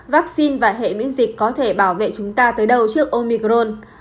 vaccine và hệ biễn dịch có thể bảo vệ chúng ta tới đâu trước omicron